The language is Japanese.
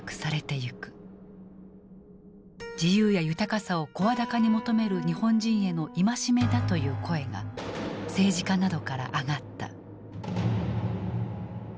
自由や豊かさを声高に求める日本人への戒めだという声が政治家などから上がった。